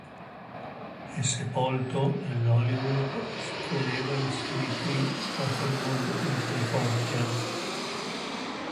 È sepolto nell"'Hollywood Forever Cemetery" a Hollywood, in California.